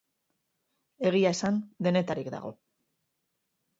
Egia esan, denetarik dago.